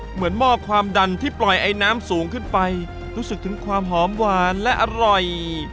หม้อความดันที่ปล่อยไอน้ำสูงขึ้นไปรู้สึกถึงความหอมหวานและอร่อย